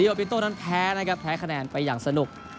โอปิโต้นั้นแพ้นะครับแพ้คะแนนไปอย่างสนุก